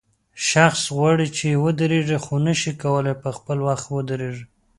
شخص غواړي چې ودرېږي خو نشي کولای په خپل وخت ودرېږي.